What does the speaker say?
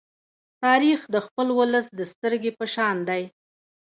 تاریخ د خپل ولس د سترگې په شان دی.